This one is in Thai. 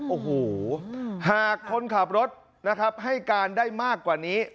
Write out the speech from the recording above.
โอ้โหหากคนขับรถนะครับให้การได้มากกว่านี้